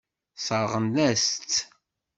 Sseṛɣen-as-tt.